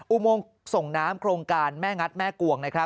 อุโมงส่งน้ำโครงการแม่งัดแม่กวง